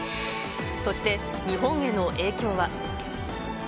そして、日本への影響は。